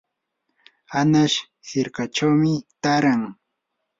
añas hirkachawmi taaran.